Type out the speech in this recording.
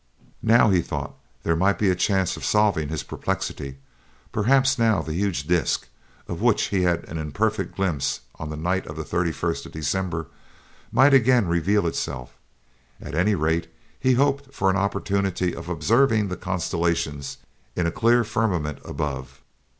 Now, he thought, there might be a chance of solving his perplexity; perhaps now the huge disc, of which he had had an imperfect glimpse on the night of the 31st of December, might again reveal itself; at any rate, he hoped for an opportunity of observing the constellations in a clear firmament above.